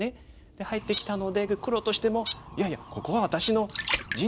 で入ってきたので黒としても「いやいやここは私の陣地ですよ。